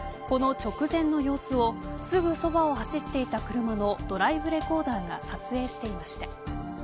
この直前の様子をすぐそばを走っていた車のドライブレコーダーが撮影していました。